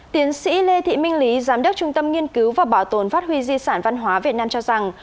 tiến sĩ lê thị minh lý giám đốc trung tâm nghiên cứu và bảo tồn phát huy di sản văn hóa việt nam cho rằng